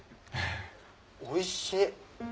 おいしい。